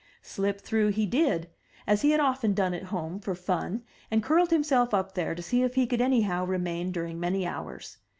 Slip through he did, as he had often done at home for fun, and curled himself up there to see if he could anyhow remain during many hours.